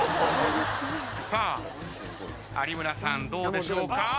さあ有村さんどうでしょうか？